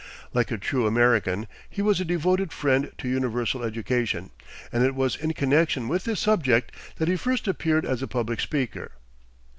Like a true American, he was a devoted friend to universal education, and it was in connection with this subject that he first appeared as a public speaker.